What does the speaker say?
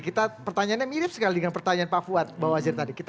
kita pertanyaannya mirip sekali dengan pertanyaan pak fuad bawazir tadi